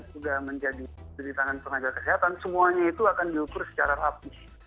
sudah menjadi di tangan tenaga kesehatan semuanya itu akan diukur secara rapih